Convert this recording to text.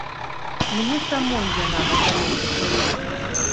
Мне самой яна мазалём дастаецца.